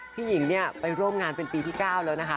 พี่หญิงไปร่วมงานเป็นปีที่๙แล้วนะคะ